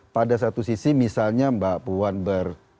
pada satu sisi misalnya mbak puan ber